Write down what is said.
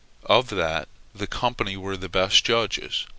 Of that the company were the best judges.